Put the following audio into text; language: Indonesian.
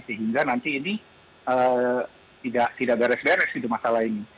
sehingga nanti ini tidak beres beres masalah ini